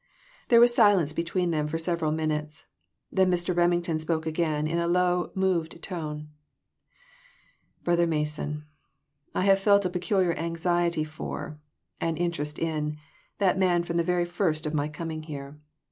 There was silence between them for several min utes, then Mr. Remington spoke again in a low, moved tone " Brother Mason, I have felt a pecul iar anxiety for, and interest in, that man from the very first of my coming here.